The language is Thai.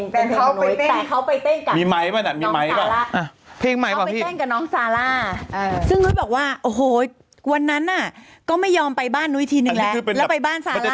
เป็นเพลงของนุ้ยแต่เขาไปเต้นกับนางซาร่าเขาไปเต้นกับนางซาร่าซึ่งนุ้ยบอกว่าโอ้โหวันนั้นก็ไม่ยอมไปบ้านนุ้ยทีนึงแล้วแล้วไปบ้านซาร่า